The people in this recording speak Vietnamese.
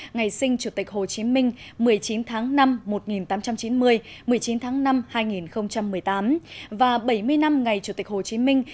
ngày sinh chủ tịch hồ chí minh một mươi chín tháng năm một nghìn tám trăm chín mươi một mươi chín tháng năm hai nghìn một mươi tám và bảy mươi năm ngày chủ tịch hồ chí minh